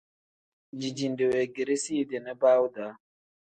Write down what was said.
Dijinde weegeresi idi nibaawu-daa.